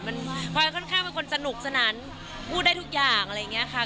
มันพลอยค่อนข้างเป็นคนสนุกสนานพูดได้ทุกอย่างอะไรอย่างนี้ค่ะ